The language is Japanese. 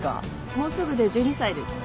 もうすぐで１２歳です。